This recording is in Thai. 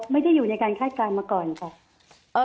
ไม่ได้อยู่ในการคาดการณ์มาก่อนค่ะ